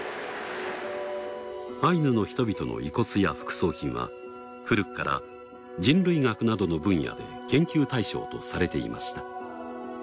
アイヌの人々の遺骨や副葬品は古くから人類学などの分野で研究対象とされていました。